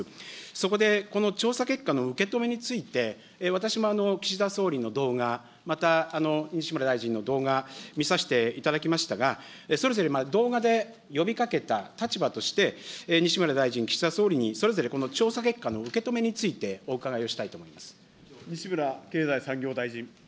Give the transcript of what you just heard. そこで、この調査結果の受け止めについて、私も岸田総理の動画、また西村大臣の動画、見させていただきましたが、それぞれ動画で呼びかけた立場として、西村大臣、岸田総理にそれぞれこの調査結果の受け止めについて、お伺いをしたいと思います。